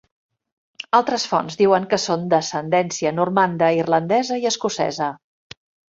Altres fonts diuen que són d'ascendència normanda, irlandesa i escocesa.